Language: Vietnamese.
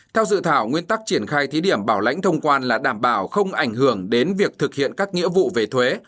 theo dự thảo nguyên tắc triển khai thí điểm bảo lãnh thông quan là đảm bảo không ảnh hưởng đến việc thực hiện các nghĩa vụ về thuế